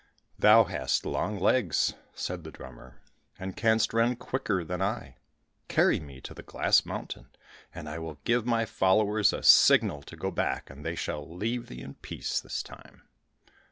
"Thou hast long legs," said the drummer, "and canst run quicker than I; carry me to the glass mountain, and I will give my followers a signal to go back, and they shall leave thee in peace this time."